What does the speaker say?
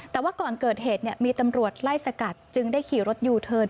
แต่ว่าก่อนเกิดเหตุมีตำรวจไล่สกัดจึงได้ขี่รถยูเทิร์น